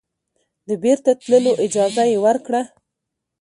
د بیرته تللو اجازه یې ورکړه.